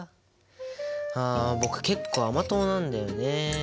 あ僕結構甘党なんだよね。